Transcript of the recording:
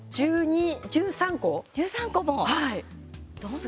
１３個も。